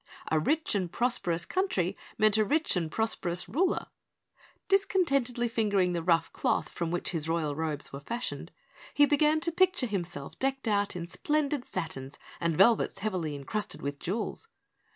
A rich and prosperous country meant a rich and prosperous ruler. Discontentedly fingering the rough cloth from which his royal robes were fashioned, he began to picture himself decked out in splendid satins and velvets heavily encrusted with jewels.